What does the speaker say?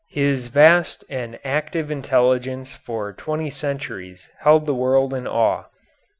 his vast and active intelligence for twenty centuries held the world in awe."